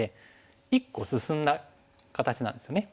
１個進んだ形なんですよね。